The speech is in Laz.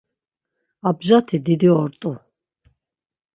Abjati didi ort̆u.